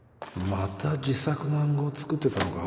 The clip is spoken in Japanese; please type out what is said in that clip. また自作の暗号作ってたのか